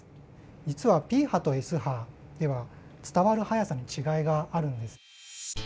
実はＰ波とＳ波では伝わる速さに違いがあるんです。